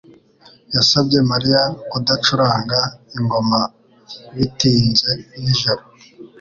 yasabye Mariya kudacuranga ingoma bitinze nijoro.